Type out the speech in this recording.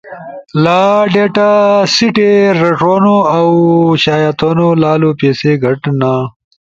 لا ڈیتا سیٹے رݜونو اؤ شایع تھونو لالو پیسے گھٹ نا